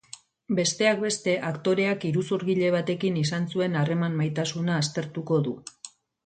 Besteak beste, aktoreak iruzurgile batekin izan zuen maitasun harremana aztertuko du.